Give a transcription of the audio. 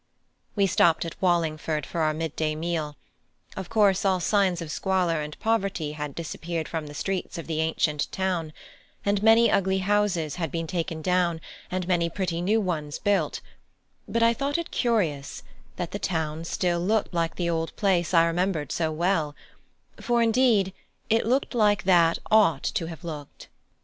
We stopped at Wallingford for our mid day meal; of course, all signs of squalor and poverty had disappeared from the streets of the ancient town, and many ugly houses had been taken down and many pretty new ones built, but I thought it curious, that the town still looked like the old place I remembered so well; for indeed it looked like that ought to have looked.